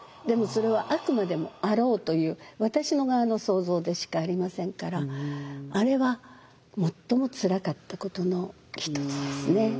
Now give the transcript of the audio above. でもそれはあくまでも「あろう」という私の側の想像でしかありませんからあれは最もつらかったことの一つですね。